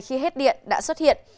khi hết điện đã xuất hiện